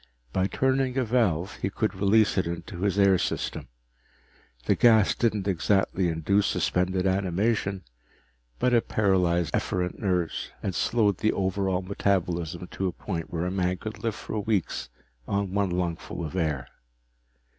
By turning a valve, he could release it into his air system. The gas didn't exactly induce suspended animation, but it paralyzed efferent nerves and slowed the overall metabolism to a point where a man could live for weeks on one lungful of air.